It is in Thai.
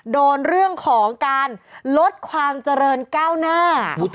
โดนเรื่องของการลดความเจริญก้าวหน้า